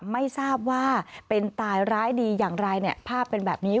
ไม่ทราบว่าเป็นตายร้ายดีอย่างไรภาพเป็นแบบนี้